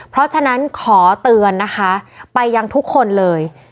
เพราะฉะนั้นขอเตือนนะคะไปยังทุกคนเลย